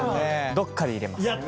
どっかで入れます。